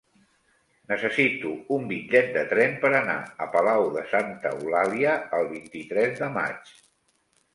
Necessito un bitllet de tren per anar a Palau de Santa Eulàlia el vint-i-tres de maig.